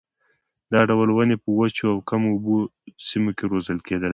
دا ډول ونې په وچو او کمو اوبو سیمو کې روزل کېدلای شي.